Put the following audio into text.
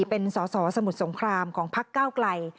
เป็นสอสอสมุทรสงครามของพักเก้าไกล